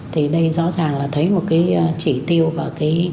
thì đây rõ ràng là thấy một cái chỉ tiêu và cái